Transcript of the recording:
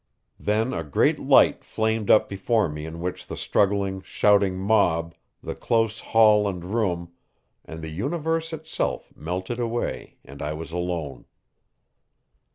Then a great light flamed up before me in which the struggling, shouting mob, the close hall and room, and the universe itself melted away, and I was alone.